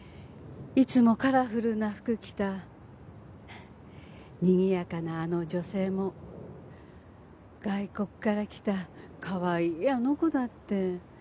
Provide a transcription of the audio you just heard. いつもカラフルな服着たにぎやかなあの女性も外国から来たかわいいあの子だって。